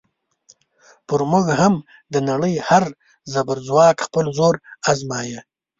پر موږ هم د نړۍ هر زبرځواک خپل زور ازمایه.